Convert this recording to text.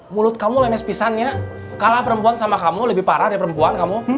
mulut kamu lemes pisangnya kalah perempuan sama kamu lebih parah dari perempuan kamu